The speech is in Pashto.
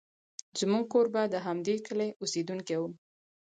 زموږ کوربه د همدې کلي اوسېدونکی و.